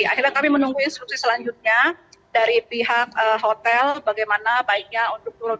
akhirnya kami menunggu instruksi selanjutnya dari pihak hotel bagaimana baiknya untuk turun